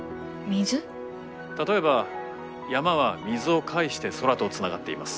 例えば山は水を介して空とつながっています。